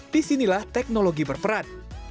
disinilah teknologi berperan